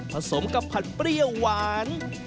สมกับผัดเปรี้ยวหวาน